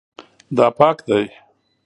دا پاک دی